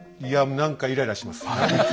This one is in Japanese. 何かイライラします。